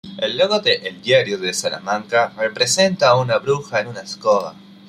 El logo de El Diario de Salamanca, representa a una bruja en una escoba.